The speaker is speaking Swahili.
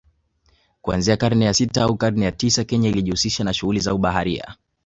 Kuanzia karne ya sita au karne ya tisa Kenya ilijihusisha na shughuli za ubaharia